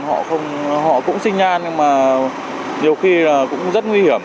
họ cũng sinh nhan nhưng mà nhiều khi là cũng rất nguy hiểm